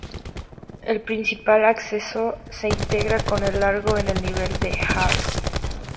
El principal acceso se integra con el Largo en el nivel del hall.